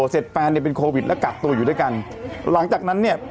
เสร็จแฟนเนี่ยเป็นโควิดแล้วกักตัวอยู่ด้วยกันหลังจากนั้นเนี่ย